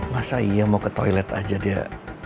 masa iya mau ke toilet aja dia